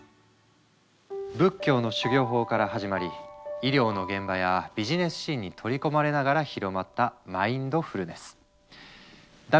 仏教の修行法から始まり医療の現場やビジネスシーンに取り込まれながら広まったマインドフルネス。